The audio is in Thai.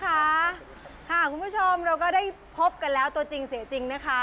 คุณผู้ชมเราก็ได้พบกันแล้วตัวจริงเสียจริงนะคะ